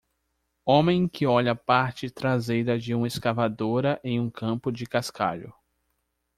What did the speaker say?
Homem que olha a parte traseira de uma escavadora em um campo do cascalho.